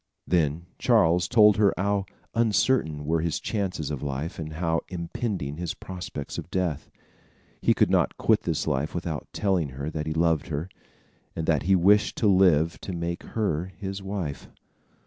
Then Charles told her how uncertain were his chances of life, and how impending his prospects of death. He could not quit this life without telling her that he loved her, and that he wished to live to make her his wife.